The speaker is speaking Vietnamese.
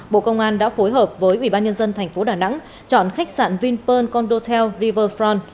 bộ công an đã phối hợp với ủy ban nhân dân thành phố đà nẵng chọn khách sạn vinpearl condotel river fron